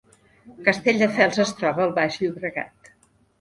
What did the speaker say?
Castelldefels es troba al Baix Llobregat